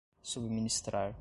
subministrar